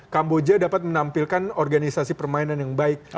kamboja dapat menampilkan organisasi permainan yang baik